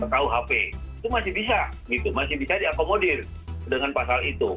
kau hp itu masih bisa masih bisa diakomodir dengan pasal itu